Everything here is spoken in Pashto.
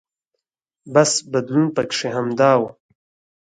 بس بدلون پکې همدا و.